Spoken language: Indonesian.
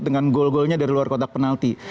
dengan gol golnya dari luar kotak penalti